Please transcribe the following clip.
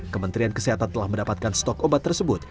kementerian kesehatan telah mendapatkan stok obat tersebut